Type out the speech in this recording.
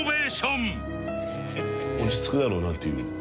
落ち着くやろうなという。